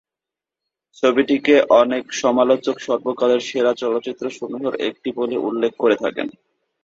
ছবিটিকে অনেক সমালোচক সর্বকালের সেরা চলচ্চিত্রসমূহের একটি বলে উল্লেখ করে থাকেন।